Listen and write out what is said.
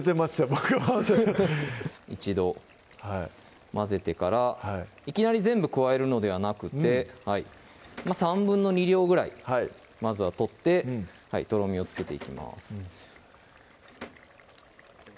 僕一度混ぜてからいきなり全部加えるのではなくて２／３量ぐらいまずは取ってとろみをつけていきます